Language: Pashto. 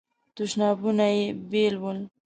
تشنابونه یې بیل ول.